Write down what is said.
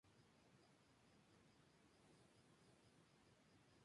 Mahoma la presentaba como una mujer celestial.